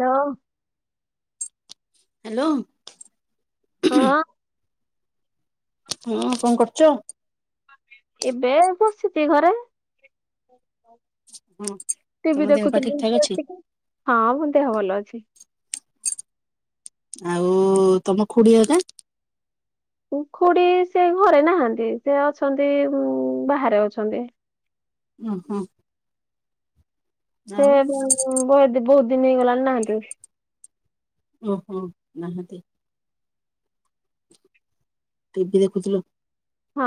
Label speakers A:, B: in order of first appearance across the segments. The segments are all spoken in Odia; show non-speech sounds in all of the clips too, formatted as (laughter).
A: ଲୋ।
B: ହାଲୋ।
A: ହଁ।
B: ହଁ କଣ କରୁଚ?
A: ଏବେ ବସିଚି ଘରେ।
B: ହଁ ତମ
A: ଟିଭି
B: ଦେହ ପା ଠିକ
A: ଦେଖୁଥିଲି
B: ଠାକ ଅଛି
A: (unintelligible) ହଁ ମୋ ଦେହ ଭଲ ଅଛି।
B: ଆଉ ତମ ଖୁଡି ହେକା।
A: ଖୁଡି ସେ ଘରେ ନାହାନ୍ତି, ସେ ଅଛନ୍ତି ବାହାରେ ଅଛନ୍ତି।
B: ଓ ହଁ।
A: ସେ ବ ବହୁତ୍ ଦିନ ହେଇଗଲାଣି ନାହାନ୍ତି ଆଉ।
B: ଓହୋ ନାହାନ୍ତି। ଟଭି ଦେଖୁଥିଲୁ।
A: ହଁ।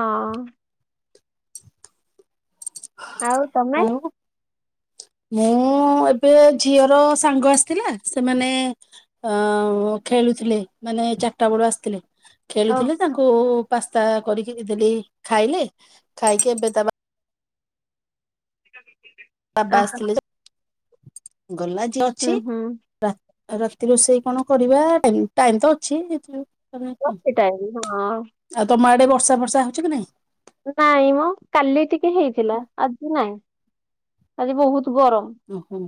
A: ଆଉ ତମେ?
B: ଆଉ ମୁଁ ଏବେ ଝିଅର ସାଙ୍ଗ ଆସିଥିଲା, ସେମାନେ ଅ ଖେଳୁଥିଲେ ମାନେ ଚାରିଟା ବେଳୁ ଆସିଥିଲେ।
A: ଓ
B: ଖେଳୁଥିଲେ ତାଙ୍କୁ ପାସ୍ତା କରିକି ଦେଲି ଖାଇଲେ, ଖାଇକି ଏବେ ତା ବା
A: ାେ (unintelligible)
B: ବାବା ଆସିଥିଲେ ଗଲା ଯିଏ
A: ହୁଁ
B: ଅଛି।
A: ହୁଁ।
B: ଉ ରାତି ରୋଷେଇ କଣ କରିବା ଟାଇମ ତ ଅଛିଥି
A: ରାତି ଟାଇମ। ହଁ
B: ଆଉ ତମ ଆଡେ ବର୍ଷା ବର୍ଷା ହଉଛି କି ନାଇଁ?
A: ନାଇଁ ମୋ କାଲି ଟିକେ ହେଇଥିଲା ଆଜି ନାଇଁ ଆଜି ବହୁତ ଗରମ।
B: ଓହୋ।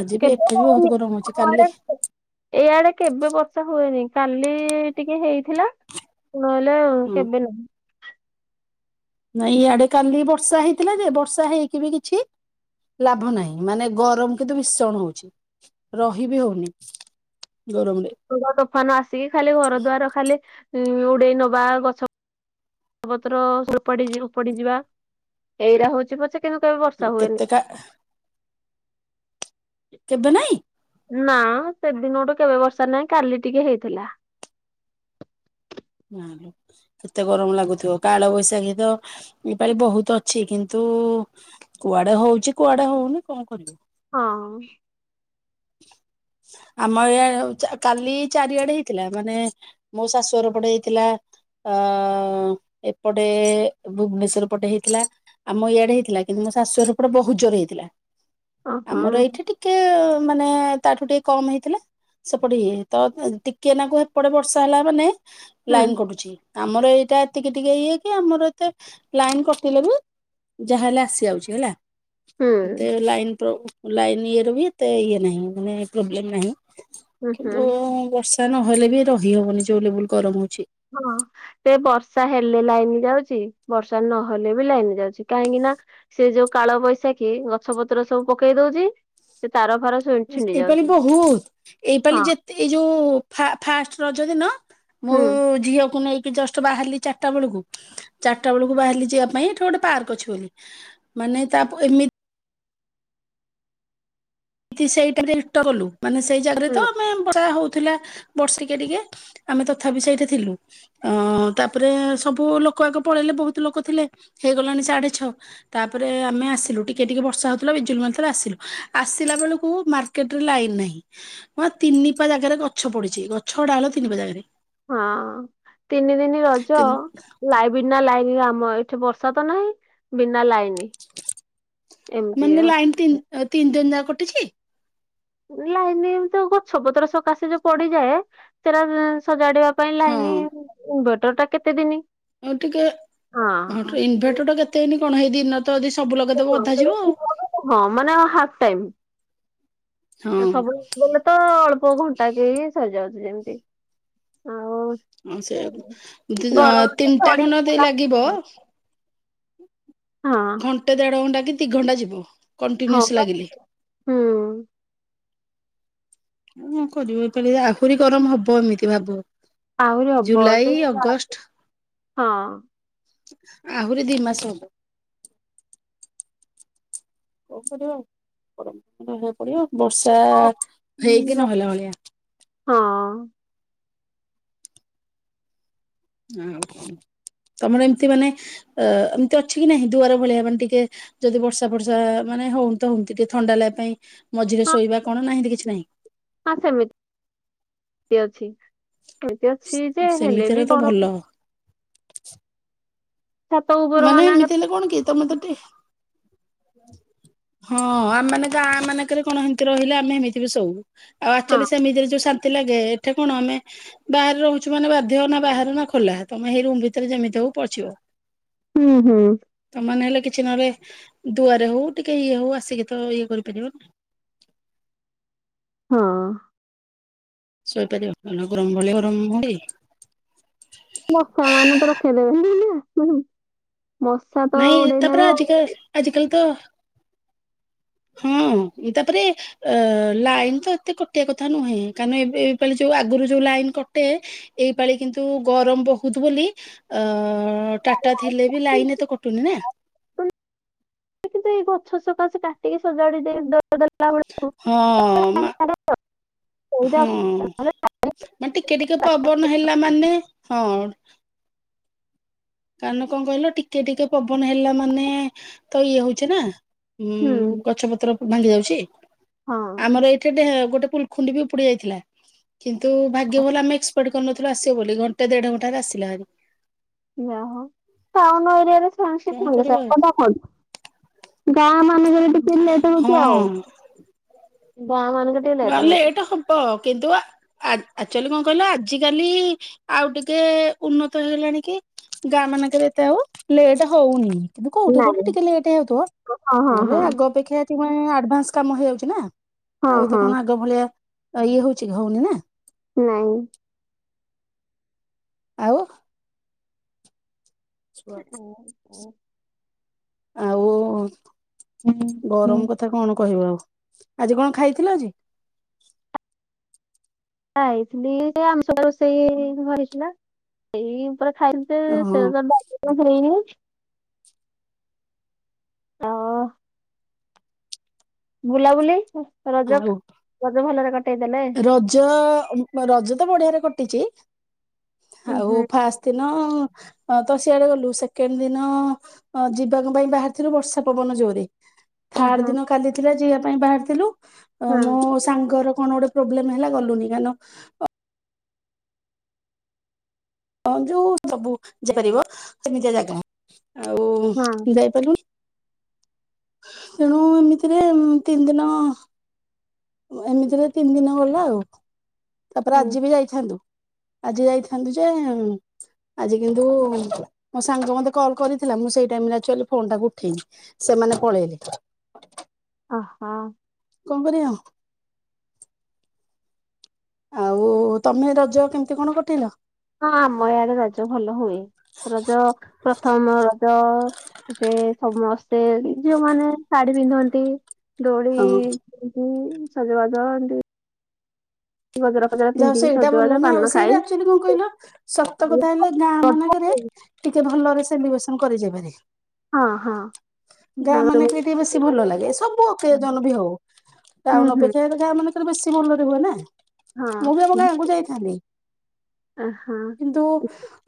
B: ଆଜି ବି ଏଠି ବି ବହୁତ
A: କେତେ
B: ଗରମ ହଉଛି କାଲି
A: ଏଇଆଡେ କେବେ ବର୍ଷା ହୁଏନି କାଲି ଟିକେ ହେଇଥିଲା। ହଲା
B: ହଁ
A: କେବେ ନ
B: ନାଇଁ ଇ ଆଡେ କାଲି ବର୍ଷା ହେଇଥିଲା ଯେ ବର୍ଷା ହେଇକି ବି କିଛି ଲାଭ ନାହିଁ ମାନେ ଗରମ କିନ୍ତୁଭିଶଣ ହଉଛି ରହି ବିି ହଉନି ଗରମରେ
A: ତୋଫାନ ଆସିକି ଖାଲି ଘର ଦ୍ବାର ଖାଲି ଉଡେଇ ନବା ଗଛ ଗଛ ପତ୍ରଡି ଉପାଡିଯିବା ଏଇରା ହଉଛି ପଛେ କିନ୍ତୁ କେବେ ବର୍ଷା
B: କେତେ
A: ହୁଏନି।
B: କା କେବେ ନାଇଁ?
A: ନା ସେଦିନ ଗୋଠୁ କେବେ ବର୍ଷା ନାହିଁ କାଲି ଟିକେ ହେଇଥିଲା
B: ହଁ। କେତେ ଗରମ ଲାଗୁଥିବ କାଳବୈଶାଖୀ ତ ଏପଳି ବହୁତ ଅଛି କିନ୍ତୁ କୁଆଡେ ହଉଛି କୁଆଡେ ହଉନି କଣ କରିବୁ?
A: ହଁ।
B: (inaudible) ଆମ ଏଇ କାଲି ଚାରିଆଡେ ହେଇଥିଲା ମାନେ ମୋ ଶାଶୁଘର ପଟେ ହେଇଥିଲା। ଅ ଏପଟେ ଭୁବନେଶ୍ଵର ପଟେ ହେଇଥିଲା। ଆମ ଇଆଡେ ହେଇଥିଲା କିନ୍ତୁ ମୋ ଶାଶୁର ପଟେ ବହୁତ ଜୋର ହେଇଥିଲା
A: ଓହୋ
B: ଆମର ଏଇଠି ଟିକେ ମାନେ ତାଠୁ ଟିକେ କମ ହେଇଥିଲା। ସେପଟେ ଇଏ ତ ଟିକିଏ ନାକୁ ଏପଟେ ବର୍ଷା ହେଲା ମାନେ
A: ହୁଁ
B: ଲାଇନ କଟୁଛି। ଆମର ଏଇଟା ଏତିକି ଟିକେ ଇଏ କି ଆମର ଏତେ ଲାଇନ କଟିଲେ ବି ଯାହା ହେଲେ ଆସି ଯାଉଛି ହେଲା
A: ହୁଁ
B: ମତେ
A: ହୁଁ
B: ଲାଇନ ଲାଇନ ଇଏ ର ବି ତେ ଇଏ ନାହିଁ ମାନେ ପ୍ରୋବ୍ଲେମ ନାହିଁ
A: ହୁଁ
B: କିନ୍ତୁ ବର୍ଷ ତା ନହେଲେ ବି ରହି ହବନି ଜୋଉଲବୁଲ ଗରମ ହଉଛି।
A: ହଁ। ସେ ବର୍ଷା ହେଲେ ଲାଇନ ଯାଉଛି ବର୍ଷା ନହେଲେ ବି ଲାଇନ ଯାଉଛି କାହିଁକି ନା ସେ ଯୋଉ କାଳ ବୈଶାଖୀ ଗଛ ପତ୍ର ସବୁ ପକେଇ ଦଉଛି। ସେ ତାର ଫର
B: ଏଇପାଳି ବହୁତ ଏଇପାଳି
A: ହଁ
B: ଯେ ଏଇ ଯୋଉ ଫାଷ୍ଟ ରଜ ଦିନ ମୁଁ
A: ହୁଁ
B: ଝିଅକୁ ନେଇ ଜଷ୍ଟ ବାହାରିଲି ଚାରିଟା ବେଳକୁ ଚାରିଟା ବେଳକୁ ବାହାରିଲି ଯିବା ପାଇଁ ଏଠି ଗୋଟେ ପାର୍କ ଅଛି ବୋଲି ମାନେ ତା ଏମିତି ସେଇଟ ଇଷ୍ଟ କଲୁ ମାନେ ସେଇ ଜାଗାରେ
A: ହୁଁ।
B: ତ ଆମେ ବଢ଼ି ଆ ହଉଥିଲା। ବର୍ଷିକେ ଟିକେ ଆମେ ତଥାପି ସେଇଠି ଥିଲୁ। ଅ ତାପରେ ସବୁ ଲୋକ ଆଗ ପଳେଇଲେ ବହୁତ ଲୋକ ଥିଲେ ହେଇଗଲାଣି ସାଢେ ଛଅ ତାପରେ ଆମେ ଆସିଲୁ ଟିକେ ଟିକେ ବର୍ଷା ହଉଥିଲା ବିଜୁଲ ମଲେ ଆସିଲୁ ଥିଲା ବେଳକୁ ମାର୍କେଟ ରେ ଲାଇନ ନାହିଁ। ମ ତିନି ପା ଜାଗାରେ ଗଛ ପଡିୁଛି ଗଛ ଗଡା ହେଲା ତିନି ପା ଜାଗାରେ।
A: ହଁ ତିନି ଦିନ ରଜ। ଲାଇ ବିନା ଲାଇନ ଆମ ଏଠି ବର୍ଷା ତ ନାହିଁ ବିନା ଲାଇନ।
B: ମାନେ ଲାଇନତିି ତିନି ଦିନ ଯା କଟିଛି।
A: ଲାଇନି ତ ଗଛ ପତ୍ର ସକାଶେ ଯୋଉ ପଡିଯାଏ ସେଟା ସଜାଡିବା। ପାଇଁ
B: ହଁ
A: ଲାଗନି ଇନଭଟର ଟା କେତେ ଦିନ।
B: ଆଉ ଟିକେ ହଁ ଇନଭର୍ଟରଟା କେତେ ହେଇନି କଣ ହେଇ ଦିିନ ତ ଯଦି ସବୁ ଲଗେଇଦେବ ଅଧା ଯିବ ଆଉ।
A: ହଁ ମାନେ ହାପ ଟାଇମ
B: ହଁ
A: (inaudible) ସବୁ ତ ଅଳ୍ପ ଘଣ୍ଟା କେ ସରିଯାଉଛି ଯେମତି।
B: ହଁ ସେ
A: ଗରମ
B: ତିନିଟା
A: ହଁ
B: ଖଣ୍ଡ ଦ ଲାଗିବ ଘଣ୍ଟେ ଦେଢ ଘଣ୍ଟା କି ଦି ଘଣ୍ଟା ଯିବ କଣ୍ଟିନ୍ୟୁସ୍
A: ପା
B: ଲାଗିଲେ
A: ହଁ
B: କଣ କରିବ (inaudible) ଆହୁରି ଗରମ ହବ ଏମିତି ଭାବ
A: ଆହୁରି
B: ଜୁଲାଇ
A: ହବସେ
B: ଅଗଷ୍ଟ
A: (inaudible) ହଁ
B: ଆହୁରି ଦି ମାସ ହବ। କଣ କରିବ (inaudible) ପଡିବ ବର୍ଷା ହେଇକି
A: ଜ-
B: ନହେଲା ଭଳିଆ।
A: ହଁ
B: ତମର ଏମିତି ମାନେ ଅ ଏମିତି ଅଛି କି ନାହିଁ ଦୁଆର ଭଳିଆ ମାନେ ଟିକେ ଯଦି ବର୍ଷା ଫର୍ଷା ମାନେ ହଉନ ତ ହଉ ଟିକେ ଥଣ୍ଡା ଲାଗା ପାଇଁ ମଝିରେ
A: ହଁ
B: ଶୋଇବା କଣ ନାହିଁନ୍ତି କିଛି ନାହିଁ।
A: ହଁ ସେମତି ଅଛି ସେମିତି ଅଛି ଯେ
B: ସେମିତି
A: ହେଲେ ବି
B: ତ ଭଲ
A: ଗରମ ଛାତ ଉପର
B: ମାନେ
A: ମାନଙ୍କ
B: ଏମିତି ହେଲେ କଣ କି ତମେ ତ ଟେ ହଁ ଆମେ ଗାଁ ମାନଙ୍କରେ କଣ ହେମିତି ରହିଲେ ଆମେ ହେମିତି ବି ସୋଉ। ଆଉ
A: ହଁ
B: ଆକ୍ଚୁଆଲି ସେମିତିରେ ଯୋଉ ଶାନ୍ତି ଲାଗେ ଏଠେ କଣ ଆମେ। ବାହାରେ ରହୁଛୁ ମାନେ ବାଧ୍ୟ ନା ବାହାରେ ନା ଖୋଲା ତମେ ସେଇ ରୁମ ଭିତରେ ଯେମିତି ହବ ପଚିବ।
A: ହୁଁ ହୁଁ
B: ତମେ ମାନେ ହେଲେ କିଛି ନହଲେ ଦୁଆରେ ହଉ ଟିକେ ଇଏ ହଉ ଆସିକି ତ ଇଏ କରିପାରିବନା
A: ହଁ
B: ଶୋଇପାରିବ ଗରମ ବ ଗରମ ହୁଏ।
A: ମସା ମାନେ ତ ରଖେଇଦବେନି। (inaudible)
B: ନାଇଁ ତାପରା ଆଜିିକା ଆଜି କଲ ତ (inaudible) ହଁ ତାପରେ। ଅ ଲାଇନ୍ ତ ଏତେ କଟିବା କଥା ନୁହେଁ କାରଣ ଏ ଏ ଯୋଉ ଆଗରୁ ଯୋଉ ଲାଇନ କଟେ। ଏଇ ପାାଳି କିନ୍ତୁ ଗରମ ବହୁତ ବୋଲି ଅ ଟାଟା ଥିଲେ ବି ଲାଇନ ଏତେ କଟୁ ଟୁନି ନା।
A: ସେଇ ଗଛ ସକାଶେ କାଟିକି ସଜାଡି ଦେ ଡ
B: ହଁ ମା
A: (unintelligible)
B: ମ ଟିକେ ଟିକେ ପବନ ହେଲା ମାନେ ହଁ। କାରଣ କଣ କହିଲ ଟିକେ ଟିକେ ପବନ ହେଲା ମାନେ ତ ଇଏ ହଉଚି ନା ଉଁ
A: ହୁଁ
B: ଗଛ ପତ୍ର ଭାଙ୍ଗି ଯାଉଛି
A: ହଁ
B: ଆମର ଏଇଠି ଗୋଟେ ପୁଲଖୁଣ୍ଡି ବି ଉପୁଡି ଯାଇଥିଲା। କିନ୍ତୁ ଭାଗ୍ୟ ଭଲ ଆମେ ଏକ୍ସପେକ୍ଟ କରିନଥିଲୁ ଆସିବ ବୋଲି ଘଣ୍ଟେ ଦେଢ଼ ଘଣ୍ଟାରେ ଆସିଲା ହେରି।
A: ଯାହା ହଉ ଟାଉନ ଏରିଆରେ (inaudible)
B: କଣ କରିବ ଆଉ
A: ସେକଥା ହୁଏନି। ଗାଁ ମାନଙ୍କରେ ଟିକେ ଲେଟ ହଉଚି ଆଉ
B: ହଁ
A: ଗାଁ ମାନଙ୍କରେ। ଟିକେ ଲେଟ୍ ହଉଛି
B: ଲେଟେ ହବ କିନ୍ତୁ ଆ ଆ ଆକ୍ଚୁଆଲି କଣ କହିଲ ଆଜ କାଲି ଆଉ ଟିକେ ଉନ୍ନତ ହେଇଲାଣି କି ଗାଁ ମାନଙ୍କରେ ଏତେ ଆଉ ଲେଟ୍ ହଉନି। କିନ୍ତୁ କୋଉଠି
A: ନାଇଁ
B: କଉଠି ଟିକେ ଲେଟ୍ ହେଯାଉଥିବ
A: ହଁ ହଁ
B: ନହେଲେ
A: ହଁ
B: ଆଗ ଅପେକ୍ଷାେ ଆଡଭାନ୍ସ କାମ ହେଇଯାଉଛି ନା।
A: ହଁ
B: ଆଉ ଏତେ
A: ହଁ
B: କଣ ଆଗ ଭଳିଆ ଇଏ ହଉଛି ହଉନି ନା।
A: ନାଇଁ
B: ଆଉ
A: (unintelligible)
B: ଆଉ
A: ହୁଁ
B: ଗରମ କଥା କଣ କହିବ ଆଉ ଆଜି କଣ ଖାଇଥିଲ ଆଜି
A: ଖାଇଥିଲି ଆମିଶ ରୋଷେଇ ଘ ହେଇଥିଲା। ସେଇ ଉପରେ ଖାଇେ
B: ହଁ
A: ସେ (inaudible) ହେଇନି ଆ ବୁଲାବୁଲି ରଜ
B: ଆଉ
A: ରଜ ଭଲରେ କଟେଇ ଦେଲେ।
B: ରଜ ଅ ରଜ ତ ବଢିଆରେ କଟିଚି
A: ଉଁ
B: ଆଉ
A: ହୁଁ
B: ଫାଷ୍ଟ ଦିନ ଫାଷ୍ଟ୍ ତ ସିଆଡେ ଗଲୁ ସେକେଣ୍ଡ୍ ଦିନ ଅ- ଯିବାଙ୍କ ପାଇଁ ବାହାରିଥିଲୁ ବର୍ଷା ପବନ ଜୋରେ।
A: ଅ
B: ଥାଡ୍
A: ହଁ
B: ଦିନ କାଲି ଥିଲା ଯିବା ପାଇଁ ବାହାରିଥିଲୁ ଅ-
A: ହଁ
B: ମୋ ସାଙ୍ଗର କଣ ଗୋଟେ ପ୍ରୋବ୍ଲେମ୍ ହେଲା ଗଲୁନି କାରଣ ଅ ହଁ ଯଉ ସବୁ ଯାଇପାରିବ ସେମିତିଆ ଜାଗା ଆଉ
A: ହଁ
B: ଯାଇପାରିଲୁନି। ତେଣୁ ଏମିତିରେ ତିନ୍ ଦିନ ଏମିତିରେ ତିନି ଦିନ ଗଲା ଆଉ ତାପରେ
A: ହୁଁ
B: ଆଜି ବି ଯାଇ ଥାନ୍ତୁ ଆଜି ଯାଇଥାନ୍ତୁ ଯେ ଆଜି କିନ୍ତୁ ମ ସାଙ୍ଗ ମତେ କଲ୍ କରିଥିଲା ମୁଁ ସେଇ ଟାଇମ୍ ରେ ଆକ୍ଚୁଆଲି ଫୋନ୍ ଟାକୁ ଉଠେଇନି। ସେମାନେ ପଳେଇଲେ।
A: ଅହୋ।
B: କଣ କରିବା ଆଉ। ଆଉ ତମେ ରଜ କେମିତି କଣ କଟେଇଲ?
A: ହଁ ଆମ ଏଆଡେ ରଜ ଭଲ ହୁଏ ରଜ ପ୍ରଥମ ରଜ ଏବେ ସମସ୍ତେ ଝିଅ ମାନେ ଶାଢୀ ପିନ୍ଧନ୍ତି ଦୋଳି
B: ହଁ
A: ଖେଳିକି ସଜବାଜ ଏମିତି
B: ଯାହା ହଉ
A: ପିନ୍ଧିକି
B: ସେଇଟା ଭଲ
A: ସଜବାଜ
B: ନା ଆଉ
A: ପାନ
B: ସେଇଟା
A: ଖାଇ
B: ଆକ୍ଚୁଆଲି କଣ କହିଲ ସତ କଥା ହେଲା ଗାଁ ମାନେଙ୍କେରେ ଟିକେ ଭଲରେ ସେଲିବ୍ରେସନ କରି ଯିବେରେ
A: ହଁ-ହଁ।
B: ଗାଁ ମାନେ କି ଟିକେ ବେଶୀ ଭଲ ଲାଗେ ସବୁ ଅକେଜନ୍ ବି ହଉ
A: ହୁଁ
B: ଟାଉନ୍
A: ହୁଁ
B: ଅପେକ୍ଷା ଗାଁ ମାନଙ୍କରେ ବେଶୀ ଭଲରେ ହୁଏ ନା ମୁଁ ବି ଆମ
A: ହଁ ଝି-
B: ଗାଁକୁ ଯାଇଥାନ୍ତି
A: ହଁ।
B: କିନ୍ତୁ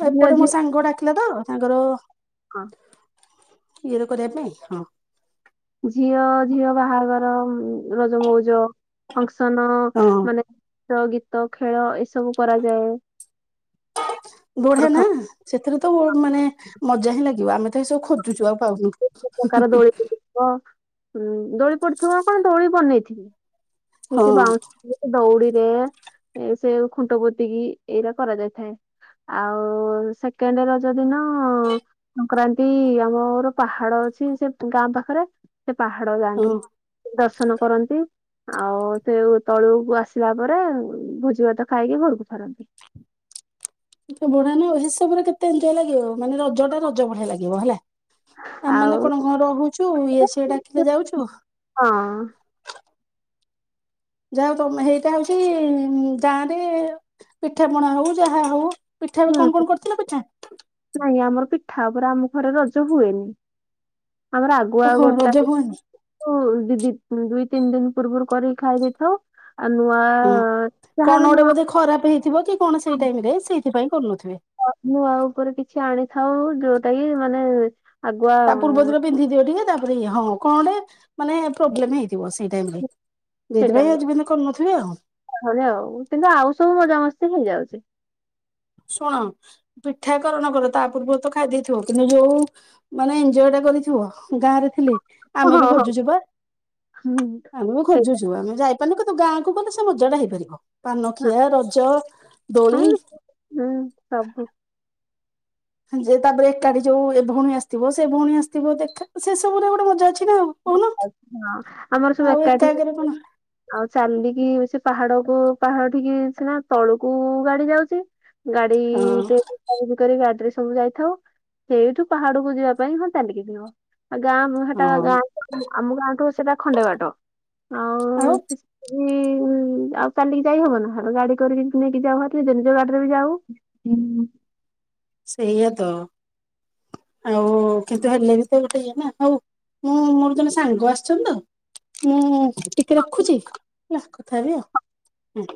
A: ଝିଅ
B: ଏପଟେ ମୋ
A: ଝିଅ
B: ସାଙ୍ଗ ଡାକିଲା ତ ତାଙ୍କର
A: ହଁ।
B: ଇଏ ର କରିବା ପାଇଁ
A: ଝିଅ -ଝିଅ ବାହାଘର ଉଁ- ରଜମଉଜ ଫଙ୍କ୍ସନ
B: ହଁ
A: ମାନେ ନାଚ ଗୀତ ଖେଳ ଏସବୁ କରାଯାଏ।
B: ବୁଢା ନା
A: ପ୍ରଥମ
B: ସେଥିରେ ତ ମୋ-ମାନେ ମଜା ହିଁ ଲାଗିବ ଆମେ ତ ଏସବୁ ଖୋ ଜୁଚୁ ଆଉ ପାଉନୁ।
A: ତ ଦୋଳି ପଡିଥିବ ପା ଦୋଳି ବନେଇଥିବି। ସେ-
B: ହଁ
A: ସେ ବାଉଁଶ ଦଉଡିରେ ସେ ଖୁଣ୍ଟ ପୋତିକି ଏଇରା କରାଯାଇଥାଏ। ଆଉ ସେକେଣ୍ଡେ ରଜ ଦିନ ସଂକ୍ରାନ୍ତି ଆମର ପାହାଡ ଅଛି ସେ ଗାଁ ପାଖେରେ ସେ ପାହାଡ
B: ହଁ।
A: ଯାଆନ୍ତି ଦର୍ଶନ କରନ୍ତି। ଆଉ ସେ ତଳୁକୁ ଆସିଲା ପରେ ଭୋଜି ଭାତ ଖାଇକି ଘରକୁ ଫେରନ୍ତି।
B: ବଢିଆ ନ ହିସାବ କର କେତେ ଏଞ୍ଜୟ୍ ଲାଗିବ ମାନେ ରଜ ଟା ରଜ ଭଳିଆ ଲାଗିବ ହେଲା। ଆମ ମାନେ
A: ଆଉ
B: କଣ ଘରେ ରହୁଚୁ ଇଏ ସିଏ ଡାକିଲେ ଯାଉଚୁ।
A: ହଁ।
B: ଯାହା ହଉ ତମେ ହେଇଟା ହଉଚି ଗାଁରେ ପିଠା ପଣା ହଉ ଯାହା ହଉ ପିଠା କୁ କଣ୍
A: ହୁଁ
B: କଣ୍ କରିଥିଲ ପିଠା?
A: ନାଇଁ ଆମର ପିଠା ଉପରେ ଆମ ଘରେ ରଜ ହୁଏନି। ଆମର ଆଗୁଆ
B: ଓହୋ ରଜ
A: ଗୋଟା
B: ହୁଏନି
A: (unintelligible) ଦିଦି ଦୁଇ ତିନି ଦିନ୍ ପୂର୍ବରୁ କରିକି ଖାଇ ଦେଇଥାଉ। ଆ- ନୁଆ
B: ହଁ -କଣ ଗୋଟେ ବୋଧେ ଖରାପ ହେଇଥିବ କି କଣ ସେଇ ଟାଇମ୍ ରେ ସେଇଥିପାଇଁ କରୁନଥିବେ।
A: ଅ-ମୁଁ ଆଉ ଉପରେ କିଛି ଆଣିଥାଉ ଯଉଟା କି ମାନେ ଆଗୁଆ
B: ତା ପୂର୍ବ ଥର ପିନ୍ଧି ଦିିଅ ଟିକେ ତାପରେ ଏ ହଁ କଣ ଗୋଟେ ମାନେ ପ୍ରୋବ୍ଲେମ୍ ହେଇଥିବ ସେଇ ଟାଇମ୍ ରେ। ସେଇଥିପାଇଁ ଆଜି ପଯ୍ୟନ୍ତ କରୁନଥିବେ ଆଉ।
A: ଘରେ ଆଉ କିନ୍ତୁ ଆଉ ସବୁ ମଜା ମସ୍ତି ହେଇଯାଉଚି।
B: ଶୁଣ ପିଠା କର ନ କର ତା ପୂର୍ବରୁ ତ ଖାଇ ଦେଇଥିବ କିନ୍ତୁ ଯଉ ମାନେ ଏଞଜୟ ଟା କରିଥିବ ଗାଁରେ ଥିଲେ
A: ହଁ
B: ଆମେ ବି
A: ହଁ ହଁ
B: ଖୋଜୁଛୁ ପା
A: ହୁଁ
B: ଆମେ ବି
A: ସେଇଟା
B: ଖୋଜୁଛୁ ଆମେ ଯାଇ ତ ଗାଁକୁ ଗଲେ ସେ ମଜା ଟା ହେଇପାରିବ
A: ହଁ
B: ପାନଖିଆ ରଜ ଦୋଳି।
A: ହଁ, ହୁଁ ସବୁ।
B: ଯେ ତାପରେ ଏକାଠି ଯୋଉ ଏ ଭଉଣୀ ଆସିଥିବ ସେ ଭଉଣୀ ଆସିଥିବ ଦେଖ ସେସବୁ ରେ ଗୋଟେ ମଜା ଅଛି ନା ଆଉ। କହୁନ
A: ହଁ ଆମର ସବୁ
B: ଆଉ ଏକା
A: ଏକାଠି
B: ଏକରେ କଣ
A: ଆଉ ଚାଲିକି ସେ ପାହାଡକୁ ପାହାଡ ଠିକି ସିନା ତଳୁକୁ ଗାଡି ଯାଉଛି। ଗାଡି।
B: ହଁ
A: କରି ଗାଡିରେ ସବୁ ଯାଇଥାଉ ସେଇଠୁ ପାହାଡକୁ ଯିବା ପାଇଁ ହଁ ଚାଲିକି ଯିବ। ଗାଁ ମୁହାଟା
B: ହଁ
A: ଗାଁ ଆମ ଗାଁଠୁ ସେଟା ଖଣ୍ଡେବାଟ ଆଉ। ସେଠି, ଉଁ,
B: (inaudible)
A: ଆଉ ଚାଲିକି ଯାଇ ହବ ନା ଆ ଗାଡି କରିକି ନେଇକି ଯାଉ ନିଜ ଗାଡିରେ ବି ଯାଉ।
B: ସେଇଆା ତ ଆଉ କିନ୍ତୁ ହେଲେ ବି ତ ଗୋଟେ ଇଏ ନା ହଉ। ହଁ ମୋର ଜଣେ ସାଙ୍ଗ ଆସିଛନ୍ତି ତ ମୁଁ ଟିକେ ରଖୁଛି ହେଲା କଥା ହେବି ଆଉ।